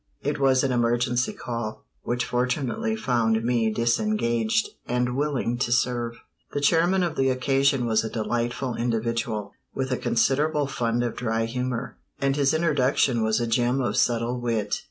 It was an emergency call, which fortunately found me disengaged, and willing to serve. The chairman of the occasion was a delightful individual, with a considerable fund of dry humor, and his introduction was a gem of subtle wit.